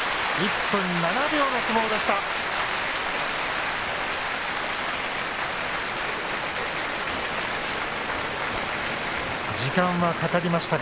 １分７秒の相撲でした。